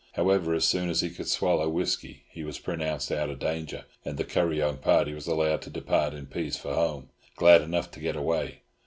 However, as soon as he could swallow whisky he was pronounced out of danger, and the Kuryong party was allowed to depart in peace for home, glad enough to get away.